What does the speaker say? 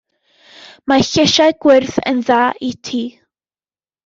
Mae llysiau gwyrdd yn dda i ti.